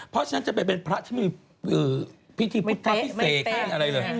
เพราะฉะนั้นจะไปเป็นพระที่มีพิธีพุทธพิเศษไม่มีอะไรเลย